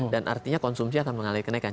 dan artinya konsumsi akan mengalami kenaikan